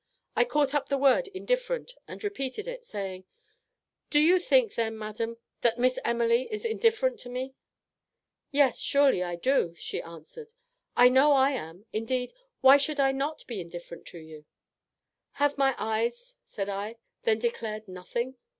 I caught up the word indifferent, and repeated it, saying, Do you think then, madam, that Miss Emily is indifferent to me? "'Yes, surely, I do,' answered she: 'I know I am; indeed, why should I not be indifferent to you?' "Have my eyes," said I, "then declared nothing?"